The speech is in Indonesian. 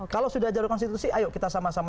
kalau sudah jalur konstitusi ayo kita sama sama